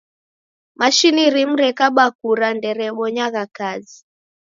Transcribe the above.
Mashini rimu rekaba kura nderebonyagha kazi.